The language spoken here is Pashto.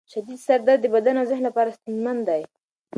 شدید سر درد د بدن او ذهن لپاره ستونزمن دی.